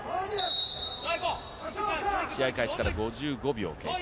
試合開始から５５秒経過。